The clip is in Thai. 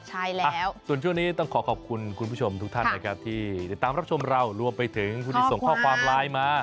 ใช่แล้วส่วนช่วงนี้ต้องขอขอบคุณคุณผู้ชมทุกท่านนะครับที่ติดตามรับชมเรารวมไปถึงผู้ที่ส่งข้อความไลน์มา